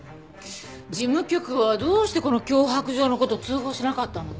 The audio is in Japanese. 事務局はどうしてこの脅迫状の事通報しなかったの？